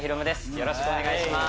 よろしくお願いします